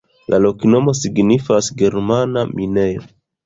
La loknomo signifas: germana-minejo.